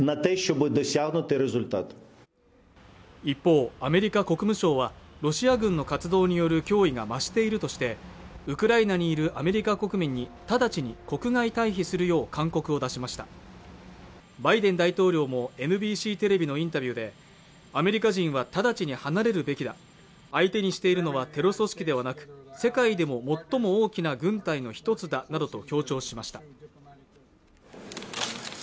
一方アメリカ国務省はロシア軍の活動による脅威が増しているとしてウクライナにいるアメリカ国民に直ちに国外退避するよう勧告を出しましたバイデン大統領もＮＢＣテレビのインタビューでアメリカ人は直ちに離れるべきだ相手にしているのはテロ組織ではなく世界でも最も大きな軍隊の一つだなどと強調しました